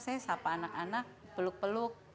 saya sapa anak anak peluk peluk